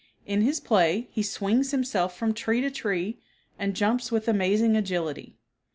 In his play he swings himself from tree to tree and jumps with amazing agility.